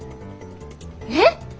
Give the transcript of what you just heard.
えっ？